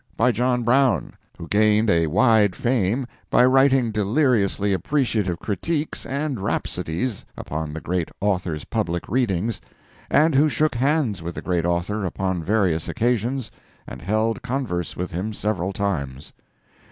By John Brown, who gained a wide fame by writing deliriously appreciative critiques and rhapsodies upon the great author's public readings; and who shook hands with the great author upon various occasions, and held converse with him several times.